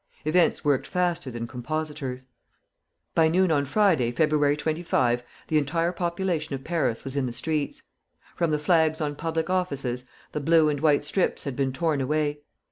Events worked faster than compositors. By noon on Friday, February 25, the entire population of Paris was in the streets. From the flags on public offices, the blue and white strips had been tom away.